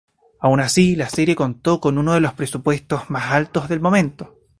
Aun así, la serie contó con uno de los presupuestos más altos del momento.